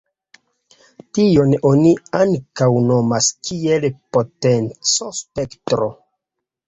Tion oni ankaŭ nomas kiel potenco-spektro.